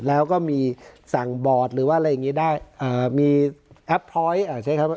แล้วก็มีสั่งบอร์ดหรือว่าอะไรอย่างงี้ได้มีแอปพลอยท์ใช้ครับ